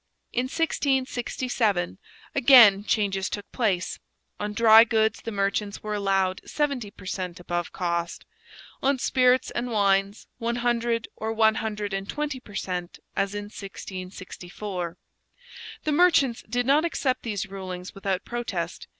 In 1667 again changes took place: on dry goods the merchants were allowed seventy per cent above cost; on spirits and wines, one hundred or one hundred and twenty per cent as in 1664. The merchants did not accept these rulings without protest.